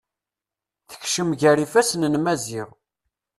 Tekcem gar ifasen n Maziɣ.